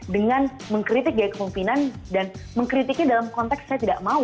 dengan mengkritik gaya kepemimpinan dan mengkritiknya dalam konteks saya tidak mau